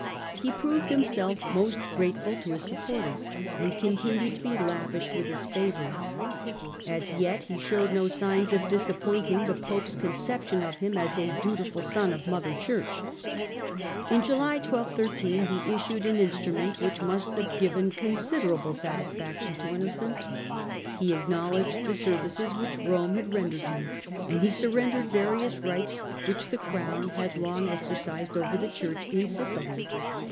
He proved himself most grateful to his supporters and continued to be lavish with his favours. As yet he showed no signs of disappointing the Pope's conception of him as a dutiful son of Mother Church. In July, 1213, he issued an in strument which must have given considerable satisfaction to Innocent. He acknowledged the services which Rome had rendered him, and he surrendered various rights which the Crown had long exercised over the Church in Sicily.